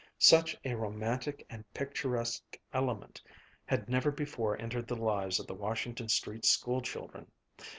Such a romantic and picturesque element had never before entered the lives of the Washington Street school children.